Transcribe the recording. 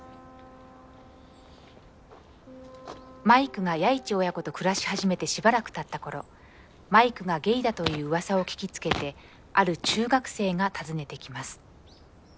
マイクが弥一親子と暮らし始めてしばらくたった頃マイクがゲイだといううわさを聞きつけてある中学生が訪ねてきます。